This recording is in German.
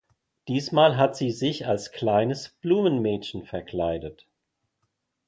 Diesmal hat sie sich als kleines Blumenmädchen verkleidet.